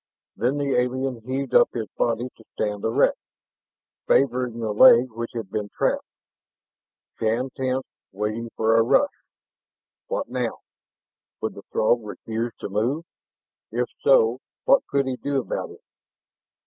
Then the alien heaved up his body to stand erect, favoring the leg which had been trapped. Shann tensed, waiting for a rush. What now? Would the Throg refuse to move? If so, what could he do about it?